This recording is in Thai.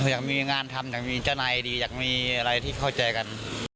อยากมีงานทำอยากมีเจ้านายดีอยากมีอะไรที่เข้าใจกัน